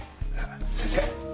先生。